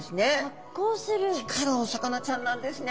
光るお魚ちゃんなんですね。